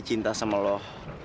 ya dengan gila lah